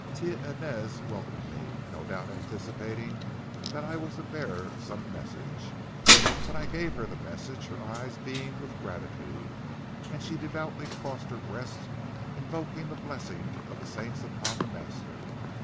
Tia Inez welcomed me, no doubt anticipating that I was the bearer of some message. When I gave her the message her eyes beamed with gratitude and she devoutly crossed her breast invoking the blessing of the saints upon the master.